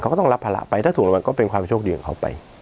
เขาก็ต้องรับภาระไปถ้าถูกรางวัลก็เป็นความโชคดีของเขาไป